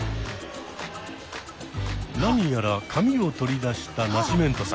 何やら紙を取り出したナシメントさん。